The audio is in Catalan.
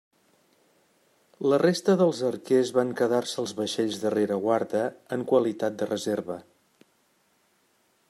La resta dels arquers van quedar-se als vaixells de rereguarda en qualitat de reserva.